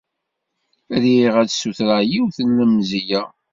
Riɣ ad d-ssutreɣ yiwet n lemzeyya.